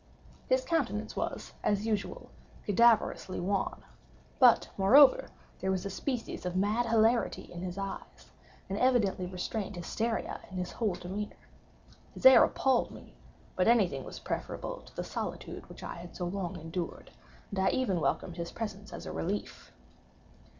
His countenance was, as usual, cadaverously wan—but, moreover, there was a species of mad hilarity in his eyes—an evidently restrained hysteria in his whole demeanor. His air appalled me—but anything was preferable to the solitude which I had so long endured, and I even welcomed his presence as a relief.